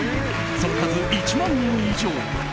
その数、１万人以上。